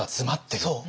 そう。